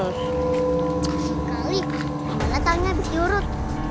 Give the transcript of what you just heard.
sekali kakak tanya abis yurut